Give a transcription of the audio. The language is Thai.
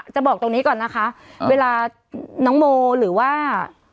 บอกตรงนี้ก่อนนะคะเวลาน้องโมหรือว่า